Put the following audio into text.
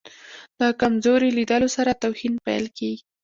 د کمزوري لیدلو سره توهین پیل کېږي.